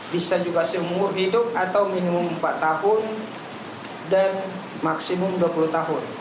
bisa juga seumur hidup atau minimum empat tahun dan maksimum dua puluh tahun